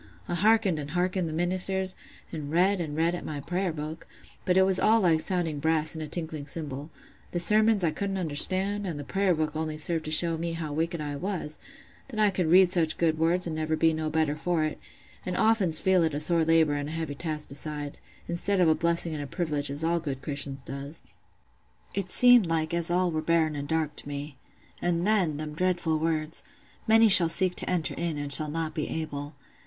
I hearkened and hearkened the ministers, and read an' read at my prayer book; but it was all like sounding brass and a tinkling cymbal: the sermons I couldn't understand, an' th' prayer book only served to show me how wicked I was, that I could read such good words an' never be no better for it, and oftens feel it a sore labour an' a heavy task beside, instead of a blessing and a privilege as all good Christians does. It seemed like as all were barren an' dark to me. And then, them dreadful words, 'Many shall seek to enter in, and shall not be able.